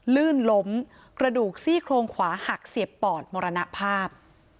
ลื่นล้มกระดูกซี่โครงขวาหักเสียบปอดมรณภาพ